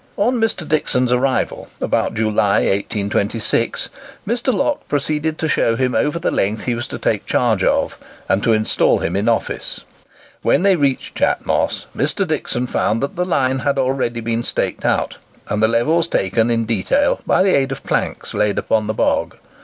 On Mr. Dixon's arrival, about July, 1826, Mr. Locke proceeded to show him over the length he was to take charge of, and to instal him in office. When they reached Chat Moss, Mr. Dixon found that the line had already been staked out and the levels taken in detail by the aid of planks laid upon the bog.